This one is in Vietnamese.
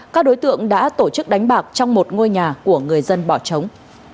các đối tượng đã tổ chức đánh bạc trong một ngôi nhà của người dân bỏ trống